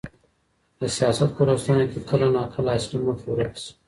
د سياست په لوستنه کي کله ناکله اصلي موخه ورکه سي.